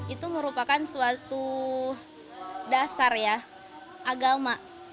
itu merupakan suatu dasar ya agama